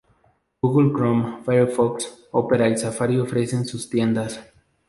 Google Chrome, Firefox, Opera y Safari ofrecen sus tiendas.